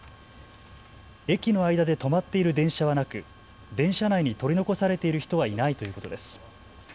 駅の間で止まっている電車はなく電車内に取り残されている人はいないということです。